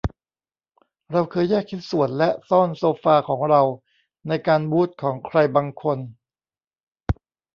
เราเคยแยกชิ้นส่วนและซ่อนโซฟาของเราในการบูทของใครบางคน